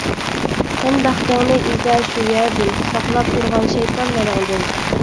سەن بەختىڭنى ئىزدە شۇ يەردىن، ساقلاپ تۇرغان شەيتانلىرىڭدىن.